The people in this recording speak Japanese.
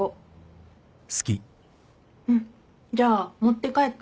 うんじゃあ持って帰って。